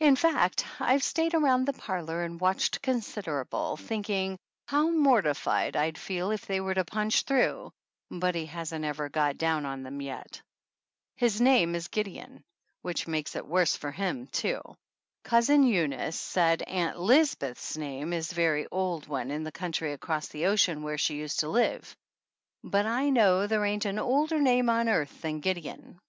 In fact, I have stayed around the parlor and watched considerable, thinking how mortified I'd feel if they were to punch through, but he hasn't ever got down on them yet. His name is Gideon, which makes it worse for him, too. Cousin Eunice said Ann Lisbeth's THE ANNALS OF ANN name is a very old one in the country across the ocean where she used to live, but I know there ain't an older name on earth than Gideon.